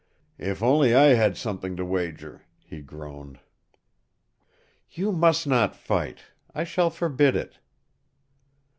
"If only I had something to wager!" he groaned. "You must not fight. I shall forbid it!"